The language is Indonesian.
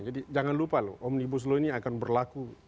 jadi jangan lupa loh omnibus law ini akan berlaku